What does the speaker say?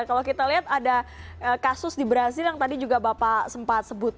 kalau kita lihat ada kasus di brazil yang tadi juga bapak sempat sebut